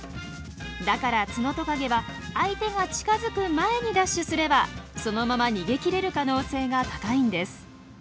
だからツノトカゲは相手が近づく前にダッシュすればそのまま逃げきれる可能性が高いんです。